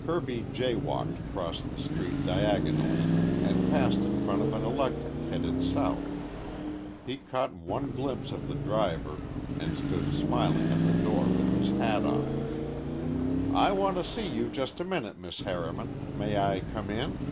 Kirby jaywalked across the street diagonally and passed in front of an electric headed south. He caught one glimpse of the driver and stood smiling at the door with his hat off. "I want to see you just a minute, Miss Harriman. May I come in?"